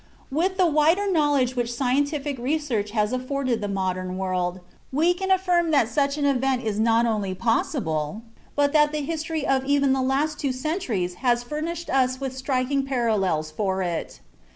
With the wider knowledge which scientific research has afforded the modern world, we can affirm that such an event is not only possible, but that the history of even the last two centuries has furnished us with striking parallels for it.